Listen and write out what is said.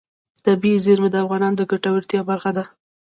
طبیعي زیرمې د افغانانو د ګټورتیا برخه ده.